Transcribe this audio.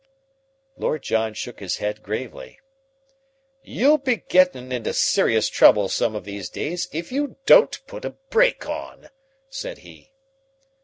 Lord John shook his head gravely. "You'll be gettin' into serious trouble some of these days if you don't put a brake on," said he.